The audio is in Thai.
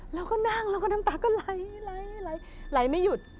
เราก็นั่งเราก็น้ำตาก็ไหลไหลไหลไหลไม่หยุด